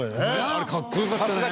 あれかっこよかったね！